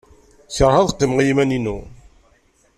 Keṛheɣ ad qqimeɣ i yiman-inu.